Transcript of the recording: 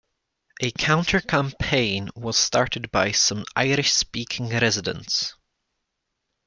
A counter-campaign was started by some Irish-speaking residents.